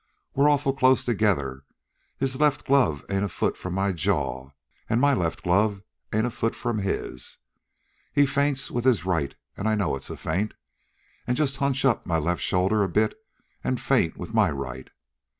We're awful close together. His left glove ain't a foot from my jaw, an' my left glove ain't a foot from his. He feints with his right, an' I know it's a feint, an' just hunch up my left shoulder a bit an' feint with my right.